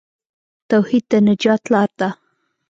توحید د نجات لار ده.